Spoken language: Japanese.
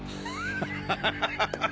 ハハハハ。